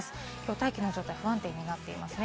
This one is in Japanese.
大気の状態、不安定になってますね。